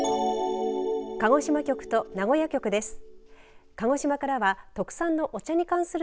鹿児島局と名古屋局です。